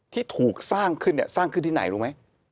ที่ถูกสร้างขึ้นนี่ที่ไหนรู้มั้ย